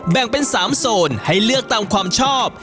แบ่งเป็น๓โซนให้เลือกตามความชอบ